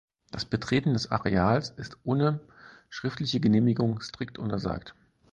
Das Betreten des Areals ist ohne schriftliche Genehmigung strikt untersagt.